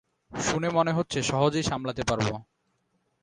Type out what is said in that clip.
শুনে মনে হচ্ছে সহজেই সামলাতে পারব।